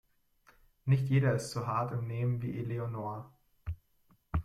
Nicht jeder ist so hart im Nehmen wie Eleonore.